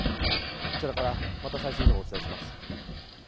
こちらからまた最新情報をお伝えします